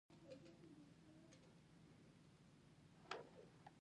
دا یوه لویه تېروتنه ده چې ګران عواقب به ولري